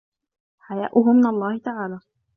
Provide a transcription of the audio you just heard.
حَيَاؤُهُ مِنْ اللَّهِ تَعَالَى